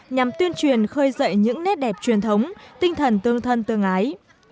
nhằm tuyên truyền khơi dậy những nét đẹp truyền thống tinh thần tương thân tương ái